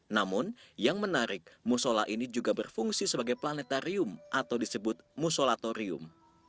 namun yang menarik musola ini juga berfungsi sebagai planetarium atau disebut musolatorium